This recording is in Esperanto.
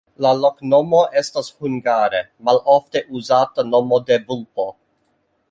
La loknomo estas hungare malofte uzata nomo de vulpo.